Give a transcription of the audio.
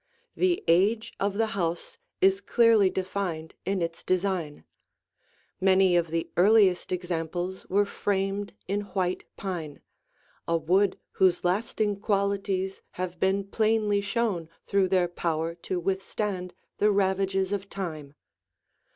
The age of the house is clearly defined in its design. Many of the earliest examples were framed in white pine, a wood whose lasting qualities have been plainly shown through their power to withstand the ravages of time.